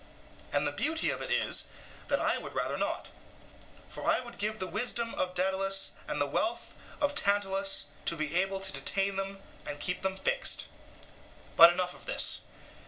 And the beauty of it is, that I would rather not. For I would give the wisdom of Daedalus, and the wealth of Tantalus, to be able to detain them and keep them fixed. But enough of this.